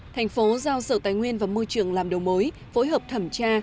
thành phố giao sở tài nguyên và môi trường làm đầu mối phối hợp thẩm tra